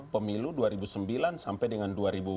pemilu dua ribu sembilan sampai dengan